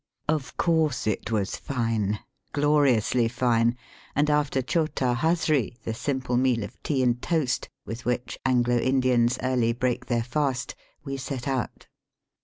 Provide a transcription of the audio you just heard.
Of course it was fine, gloriously fine, and after chota hazree, the simple meal of tea and toast with which Anglo Indians early break their fast, we set out.